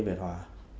về việt hòa